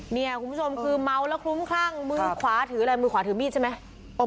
เนี่ยคุณผู้ชมคือเมาแล้วคลุ้มคลั่งมือขวาถืออะไรมือขวาถือมีดใช่ไหม